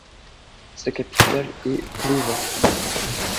Sa capitale est Pleven.